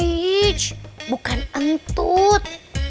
eits bukan entut